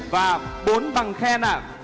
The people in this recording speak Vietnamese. và bốn bằng khen ạ